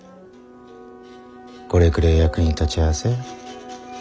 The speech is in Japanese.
これくれえ役に立ちゃせ。